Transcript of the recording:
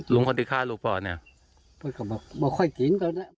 หลวงคนที่ฆ่าลูกบอสเนี่ยไม่ค่อยกิน